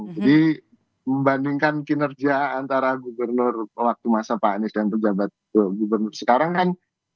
jadi membandingkan kinerja antara gubernur waktu masa pak anies dan pejabat gubernur sekarang kan